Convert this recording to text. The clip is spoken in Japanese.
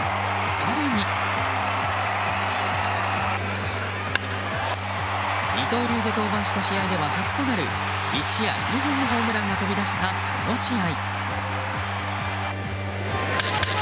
更に、二刀流で登板した試合では初となる１試合２本のホームランが飛び出したこの試合。